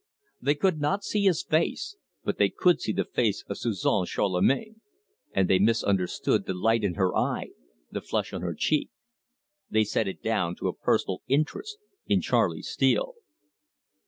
They could not see his face, but they could see the face of Suzon Charlemagne, and they misunderstood the light in her eye, the flush on her cheek. They set it down to a personal interest in Charley Steele.